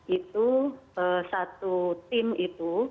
itu satu tim itu